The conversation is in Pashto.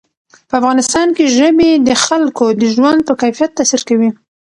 په افغانستان کې ژبې د خلکو د ژوند په کیفیت تاثیر کوي.